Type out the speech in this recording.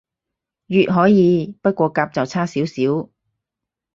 乙可以，不過甲就差少少